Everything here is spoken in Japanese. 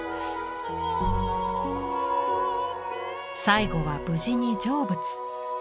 最後は無事に成仏。